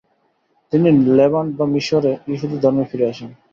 তিনি লেভান্ট বা মিশরে ইহুদি ধর্মে ফিরে আসেন।